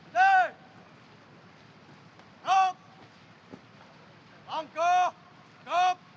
beri tanggung jawab